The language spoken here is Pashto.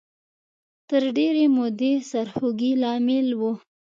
تر ډېرې مودې سرخوږۍ لامل و